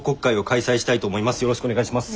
よろしくお願いします。